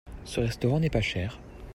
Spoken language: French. Ce restaurant n'est pas cher.